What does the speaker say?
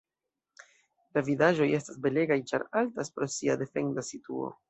La vidaĵoj estas belegaj ĉar altas pro sia defenda situo.